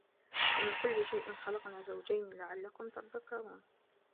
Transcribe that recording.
وَمِن كُلِّ شَيءٍ خَلَقنا زَوجَينِ لَعَلَّكُم تَذَكَّرونَ